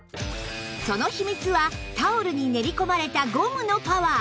その秘密はタオルに練り込まれたゴムのパワー